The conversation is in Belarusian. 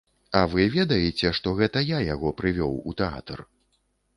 А вы ведаеце, што гэта я яго прывёў у тэатр?